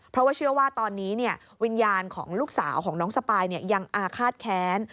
เพราะว่าเชื่อว่าตอนนี้วิญญาณของลูกสาวของน้องสปายยังอาฆาตแค้น